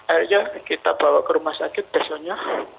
akhirnya kita bawa ke rumah sakit besoknya